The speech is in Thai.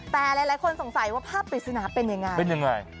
แต่หลายคนสงสัยว่าภาพปริศนาเป็นยังไง